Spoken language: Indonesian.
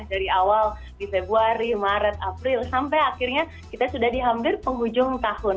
dari awal di februari maret april sampai akhirnya kita sudah di hampir penghujung tahun